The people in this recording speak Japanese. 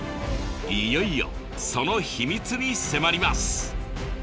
いよいよその秘密に迫ります。